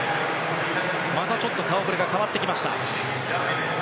またちょっと顔ぶれが変わってきました。